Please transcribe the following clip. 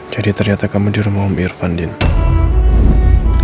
jadi ternyata kamu di rumah om irfan din